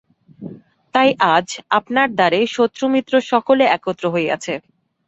তাই আজ আপনার দ্বারে শত্রুমিত্র সকলে একত্র হইয়াছে।